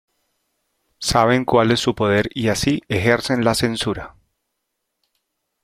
Saben cual es su poder y así, ejercen la censura